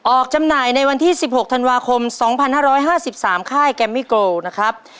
จำหน่ายในวันที่๑๖ธันวาคม๒๕๕๓ค่ายแกมมิโกนะครับ